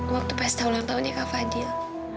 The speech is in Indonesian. waktu pesta ulang tahunnya kak fadil